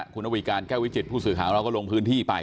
คุณอวีการแก้ววิจิตผู้สื่อข่าวเราก็ลงพื้นที่ไป